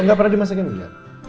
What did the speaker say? lo gak pernah dimasakin juga